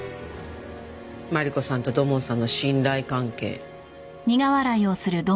マリコさんと土門さんの信頼関係。